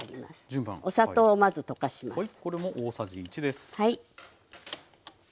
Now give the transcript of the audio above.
お砂糖をまず溶かします。